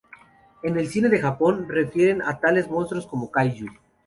En el cine de Japón, se refieren a tales monstruos como Kaiju.